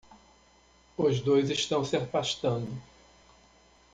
Os dois estão se afastando